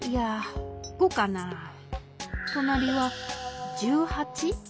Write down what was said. となりは１８？